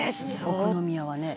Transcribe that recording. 「奥宮はね」